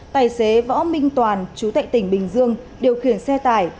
tài xế võ minh toàn chú tệ tỉnh bình dương điều khiển xe tải